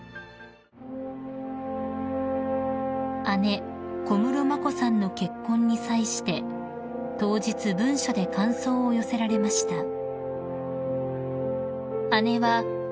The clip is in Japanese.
［姉小室眞子さんの結婚に際して当日文書で感想を寄せられました］